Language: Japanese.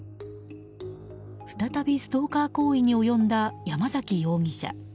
再びストーカー行為に及んだ山崎容疑者。